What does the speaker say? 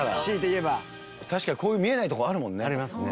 確かにこういう見えないとこあるもんね。ありますね。